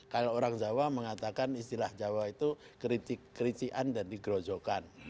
kalau orang jawa mengatakan istilah jawa itu kerician dan digerojokan